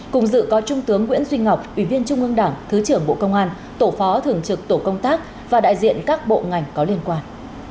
cùng dự có trung tướng nguyễn duy ngọc ủy viên trung ương đảng thứ trưởng bộ công an tổ phó thường trực tổ công tác và đại diện các bộ ngành có liên quan